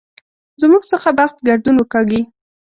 زموږ څخه بخت ګردون وکاږي.